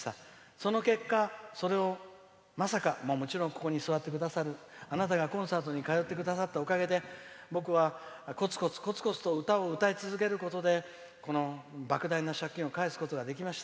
その結果それをまさかもちろんここに座ってくださるあなたがコンサートに通ってくださったおかげで僕は、コツコツ、コツコツと歌を歌い続けることでこのばく大な借金を返すことができました。